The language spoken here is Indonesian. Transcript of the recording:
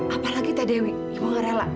apalagi tadewi ibu gak rela